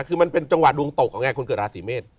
คือมันเป็นจังหวะดวงตกของไงคนเกิดราศีเมษ